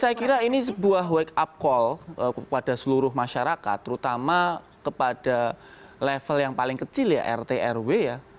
saya kira ini sebuah wake up call kepada seluruh masyarakat terutama kepada level yang paling kecil ya rt rw ya